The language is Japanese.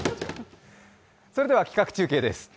それでは企画中継です。